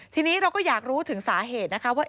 ทีนี้เราก็อยากรู้ถึงสาเหตุนะคะว่า